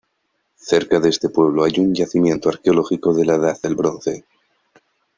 Cerca de este pueblo hay un yacimiento arqueológico de la Edad del Bronce.